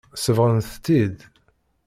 Sebɣent-tt-id.